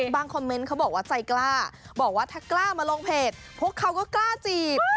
คอมเมนต์เขาบอกว่าใจกล้าบอกว่าถ้ากล้ามาลงเพจพวกเขาก็กล้าจีบ